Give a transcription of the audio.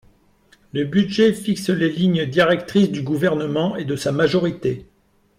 Le budget fixe les lignes directrices du Gouvernement et de sa majorité.